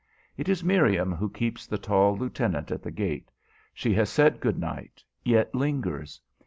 It is Miriam who keeps the tall lieutenant at the gate. She has said good night, yet lingers.